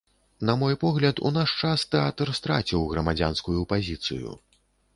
На мой погляд, у наш час тэатр страціў грамадзянскую пазіцыю.